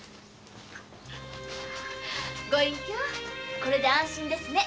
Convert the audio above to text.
ご隠居これで安心ですね。